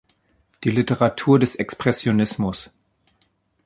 Die Literatur des Expressionismus.